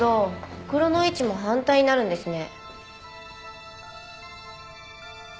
ほくろの位置も反対になるんですね。